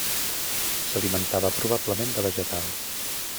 S'alimentava probablement de vegetals.